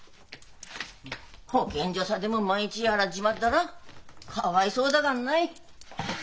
保健所さでも万一やらっぢまっだらかわいそうだがんない。